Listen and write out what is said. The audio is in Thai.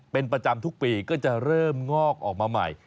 เป็นประจำทุกปีก็จะเริ่มงอกออกมาใหม่